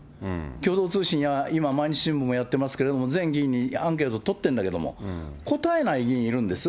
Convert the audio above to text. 共同通信や、今、毎日新聞もやっているんだけれども、全議員にアンケート取ってるんだけれども、答えない議員いるんです。